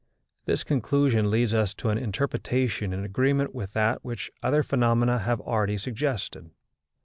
This conclusion leads us to an interpretation in agreement with that which other phenomena have already suggested.